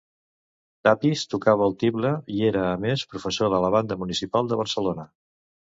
Tapis tocava el tible, i era a més professor de la Banda Municipal de Barcelona.